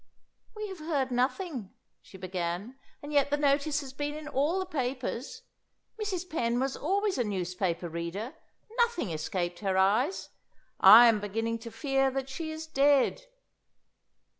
"We have heard nothing," she began. "And yet the notice has been in all the papers. Mrs. Penn was always a newspaper reader; nothing escaped her eyes. I am beginning to fear that she is dead."